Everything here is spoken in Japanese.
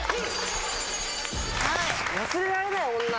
忘れられない女？